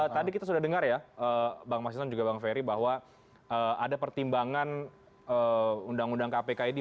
tadi kita sudah dengar ya bang mas hinton juga bang ferry bahwa ada pertimbangan undang undang kpk ini